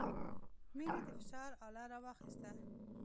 مينې د فشار اله راواخيسته.